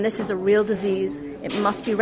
dan ini adalah penyakit yang benar